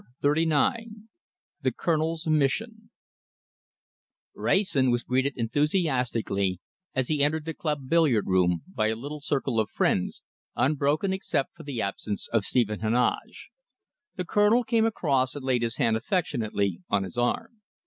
CHAPTER XXXIX THE COLONEL'S MISSION Wrayson was greeted enthusiastically, as he entered the club billiard room, by a little circle of friends, unbroken except for the absence of Stephen Heneage. The Colonel came across and laid his hand affectionately on his arm.